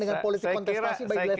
dengan politik kontestasi